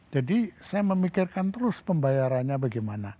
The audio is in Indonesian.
jadi saya memikirkan terus pembayarannya bagaimana